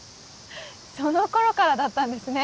その頃からだったんですね